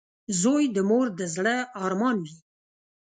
• زوی د مور د زړۀ ارمان وي.